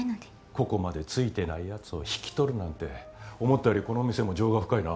ここまでついてない奴を引き取るなんて思ったよりこの店も情が深いな。